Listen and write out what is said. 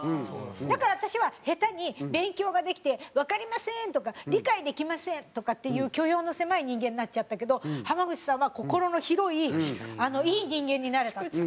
だから私は下手に勉強ができてわかりません！とか理解できません！とかっていう許容の狭い人間になっちゃったけど「濱口さんは心の広いいい人間になれた」っつって。